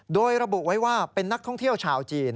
โดยระบุไว้ว่าเป็นนักท่องเที่ยวชาวจีน